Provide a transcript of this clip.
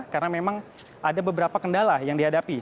karena memang ada beberapa kendala yang dihadapi